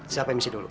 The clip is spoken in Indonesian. saya pemisi dulu